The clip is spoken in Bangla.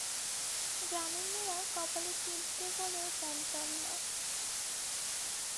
গ্রামের মেয়েরা কপালে টিপ দেয় বলেও জানতাম ন।